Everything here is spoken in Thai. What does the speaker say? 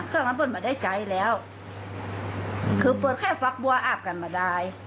เครื่องนั้นเปิ้ลประใจแล้วคือเปิดแค่ฟักบัวอาบกันมาได้